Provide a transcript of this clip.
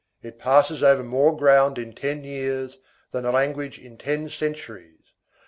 It passes over more ground in ten years than a language in ten centuries.